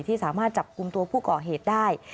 ที่สามารถจับกลุ่มตัวผู้ก่อเหตุได้